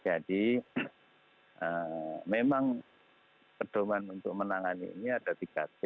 jadi memang pedoman untuk menangani ini ada tiga c